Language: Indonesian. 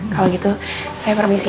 kalo gitu saya permisi ya